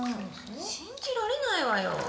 信じられないわよ。